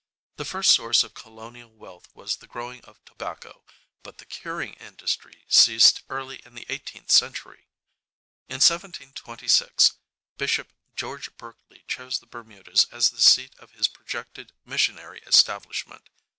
The first source of colonial wealth was the growing of tobacco, but the curing industry ceased early in the 18th century. In 1726 Bishop George Berkeley chose the Bermudas as the seat of his projected missionary establishment.